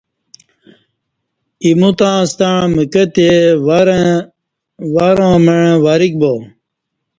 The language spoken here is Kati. ایمو تہ ستݩع مکہ تے وراں مع وریک با